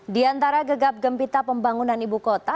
di antara gegap gempita pembangunan ibu kota